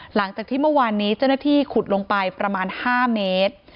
หลังจากที่เมื่อวานนี้เจ้าหน้าที่ขุดลงไปประมาณ๕เมตร